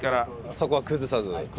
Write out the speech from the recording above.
そこは崩さず。